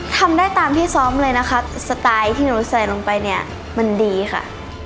ทำได้ตามที่ซ้อมเลยนะคะสไตล์ที่หนูใส่ลงไปเนี่ยมันดีค่ะ